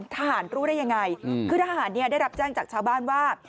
ทหารรู้ได้ยังไงอืมคือทหารเนี่ยได้รับแจ้งจากชาวบ้านว่า